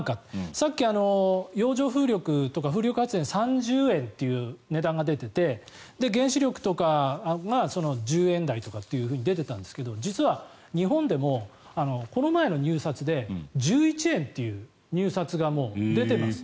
さっき、洋上風力とか風力発電３０円という値段が出ていて原子力とかが１０円台と出ていたんですが実は、日本でもこの前の入札で１１円っていう入札がもう出ています。